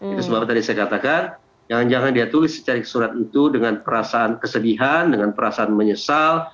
itu sebab tadi saya katakan jangan jangan dia tulis secari ke surat itu dengan perasaan kesedihan dengan perasaan menyesal